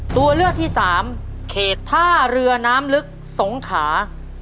ตัวเลือกที่สามเขตท่าเรือน้ำลึกสงขา